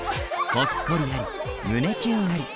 ほっこりあり胸キュンあり。